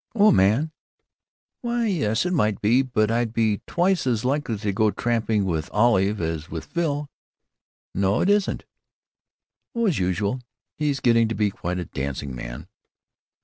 Oh, a man.... Why, yes, it might be, but I'd be twice as likely to go tramping with Olive as with Phil.... No, it isn't.... Oh, as usual. He's getting to be quite a dancing man....